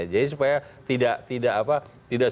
jadi supaya tidak